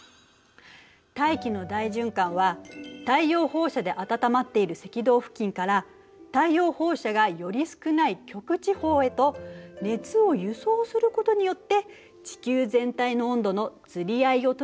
大気の大循環は太陽放射で暖まっている赤道付近から太陽放射がより少ない極地方へと熱を輸送することによって地球全体の温度のつり合いをとる働きをしているの。